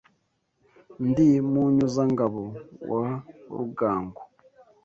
Ndi Munyuzangabo wa Rugango